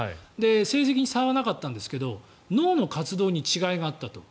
成績に差はなかったんですが脳の活動に違いがあったと。